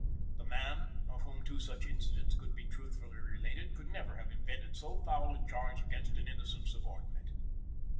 The man, of whom two such incidents could be truthfully related, could never have invented so foul a charge against an innocent subordinate.